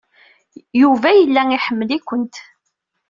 Yuba yella iḥemmel-ikent.